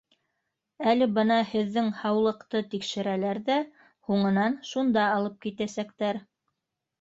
Әле бына һеҙҙең һаулыҡты тикшерәләр ҙә, һуңынан шунда алып китәсәктәр.